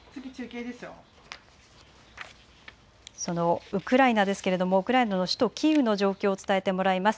そのウクライナですけれどもウクライナの首都キーウの状況を伝えてもらいます。